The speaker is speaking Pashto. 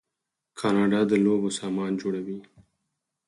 کاناډا د لوبو سامان جوړوي.